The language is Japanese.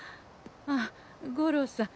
あっ五郎さん